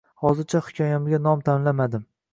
Hozircha hikoyamga nom tanlamadim